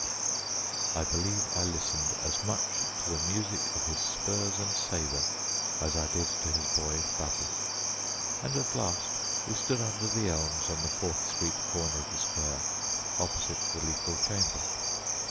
I believe I listened as much to the music of his spurs and sabre as I did to his boyish babble, and at last we stood under the elms on the Fourth Street corner of the square opposite the Lethal Chamber.